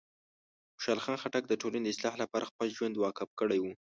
خوشحال خان خټک د ټولنې د اصلاح لپاره خپل ژوند وقف کړی و.